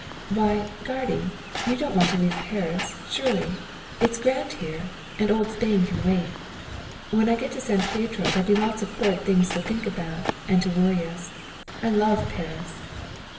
"Why, guardy, you don't want to leave Paris, surely. It's grand here, and old Spain can wait. When I get to San Pietro there'll be a lot of horrid things to think about and to worry us. I love Paris."